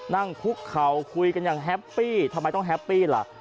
นั่งคุกเข่าคุยกันอย่างแฮปปี้ทำไมต้องแฮปปี้ล่ะ